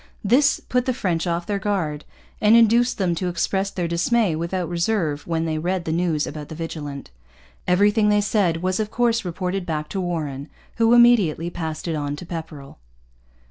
This put the French off their guard and induced them to express their dismay without reserve when they read the news about the Vigilant. Everything they said was of course reported back to Warren, who immediately passed it on to Pepperrell.